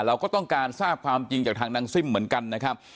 เราก็ต้องการทราบความจริงจากทางนางซิ่มเหมือนกันนะครับ